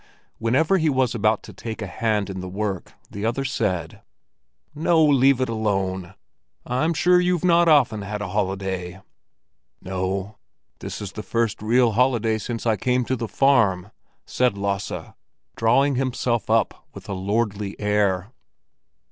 Whenever he was about to take a hand in the work, the other said: "No, leave it alone! I'm sure you've not often had a holiday." "No; this is the first real holiday since I came to the farm," said Lasse, drawing himself up with a lordly air.